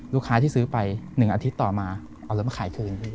ลูกค้าที่ซื้อไป๑อาทิตย์ต่อมาเอารถมาขายคืน